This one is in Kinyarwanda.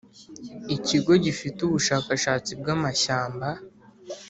ikigo gifite ubushakashatsi bw amashyamba